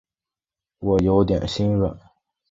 我有点心软